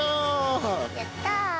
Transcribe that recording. やった！